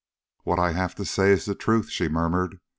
"What I have to say is the truth," she murmured.